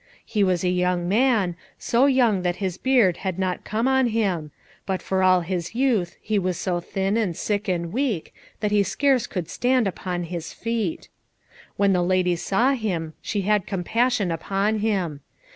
He was a young man, so young that his beard had not come on him, but for all his youth he was so thin and sick and weak, that he scarce could stand upon his feet. When the lady saw him she had compassion upon him.